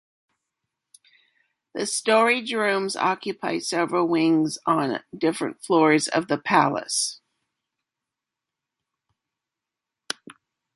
The storage rooms occupy several wings on different floors of the Palace.